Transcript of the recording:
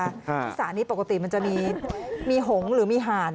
ที่สานี้ปกติมันจะมีมีหงค์หรือมีห่าน